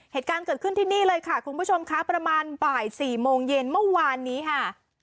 เหตุการณ์เกิดขึ้นที่นี่เลยค่ะคุณผู้ชมค่ะประมาณบ่าย๔โมงเย็นเมื่อวานนี้ค่ะ